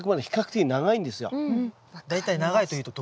大体長いというと？